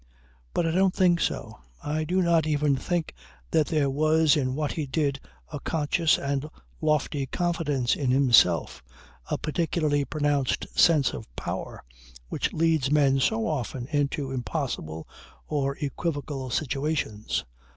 But I don't think so; I do not even think that there was in what he did a conscious and lofty confidence in himself, a particularly pronounced sense of power which leads men so often into impossible or equivocal situations.